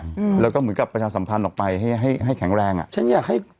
อืมแล้วก็เหมือนกับประชาสัมพันธ์ออกไปให้ให้แข็งแรงอ่ะฉันอยากให้